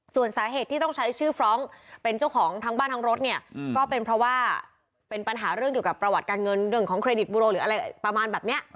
ส่วนสาเหตุที่ต้องใช้ชื่อฟรองก์เป็นเจ้าของทั้งบ้านทั้งรถเนี่ยก็เป็นเพราะว่าเป็นปัญหาเรื่องเกี่ยวกับประวัติการเงินเรื่องของเครดิตบูโรหรืออะไรประมาณแบบนี้